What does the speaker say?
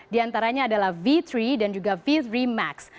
di antaranya adalah v tiga dan juga v tiga max